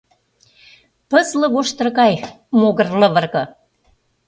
Пызле воштыр гае могыр лывырге.